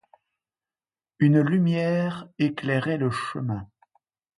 Une lumière éclairait le chemin.